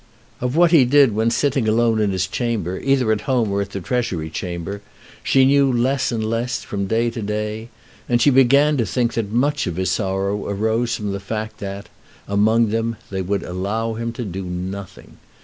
Of what he did when sitting alone in his chamber, either at home or at the Treasury Chamber, she knew less and less from day to day, and she began to think that much of his sorrow arose from the fact that among them they would allow him to do nothing.